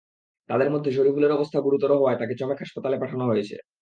তাদের মধ্যে শরীফুলের অবস্থা গুরুতর হওয়ায় তাকে চমেক হাসপাতালে পাঠানো হয়েছে।